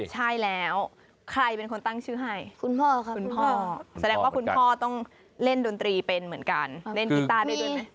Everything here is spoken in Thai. มีชื่อพี่พอครับ